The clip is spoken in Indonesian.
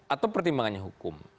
atau pertimbangannya hukum